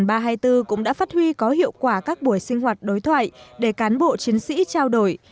sư đoàn ba trăm hai mươi bốn cũng đã phát huy có hiệu quả các buổi sinh hoạt đối thoại để cán bộ chiến sĩ trao đổi